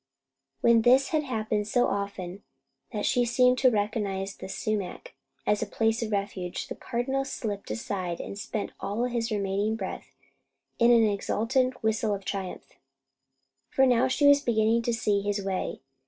When this had happened so often that she seemed to recognize the sumac as a place of refuge, the Cardinal slipped aside and spent all his remaining breath in an exultant whistle of triumph, for now he was beginning to see his way.